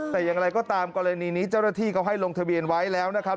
แต่อย่างไรก็ตามกรณีนี้เจ้าหน้าที่เขาให้ลงทะเบียนไว้แล้วนะครับ